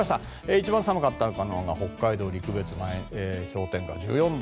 一番寒かったのは北海道陸別で氷点下１４度。